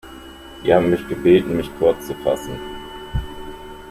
Sie haben mich gebeten, mich kurz zu fassen.